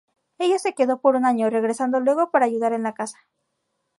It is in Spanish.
Ella se quedó por un año; regresando luego para ayudar en la casa.